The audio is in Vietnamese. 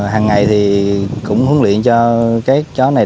hằng ngày thì cũng huấn luyện cho các cháu này